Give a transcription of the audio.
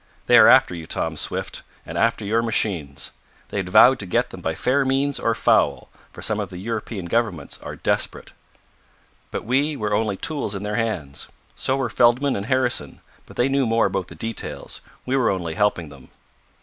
They are after you, Tom Swift, and after your machines. They had vowed to get them by fair means or foul, for some of the European governments are desperate." "But we were only tools in their hands. So were Feldman and Harrison, but they knew more about the details. We were only helping them."